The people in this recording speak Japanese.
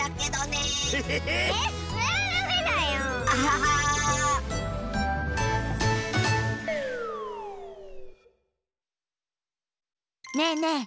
ねえねえ。